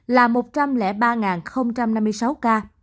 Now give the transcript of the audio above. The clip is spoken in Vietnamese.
là một trăm linh ba năm mươi sáu ca